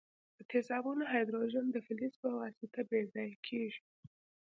د تیزابونو هایدروجن د فلز په واسطه بې ځایه کیږي.